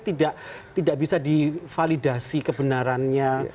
tidak tidak bisa di validasi kebenarannya